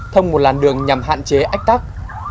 thông một làn đường nhằm hạn chế ách tác